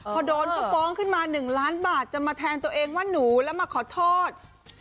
พอโดนเขาฟ้องขึ้นมา๑ล้านบาทจะมาแทนตัวเองว่าหนูแล้วมาขอโทษ